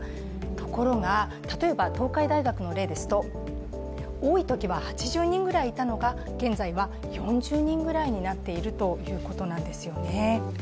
ところが、例えば東海大学の例ですと多いときは８０人ぐらいいたのが現在は４０人ぐらいになっているということなんですよね。